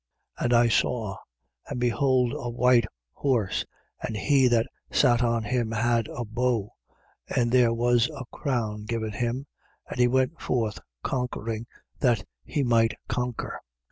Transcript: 6:2. And I saw: and behold a white horse, and he that sat on him had a bow, and there was a crown given him, and he went forth conquering that he might conquer.